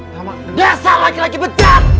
desa laki laki becanda